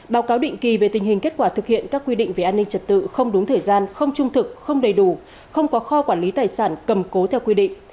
báo cáo định kỳ về tình hình kết quả thực hiện các quy định về an ninh trật tự không đúng thời gian không trung thực không đầy đủ không có kho quản lý tài sản cầm cố theo quy định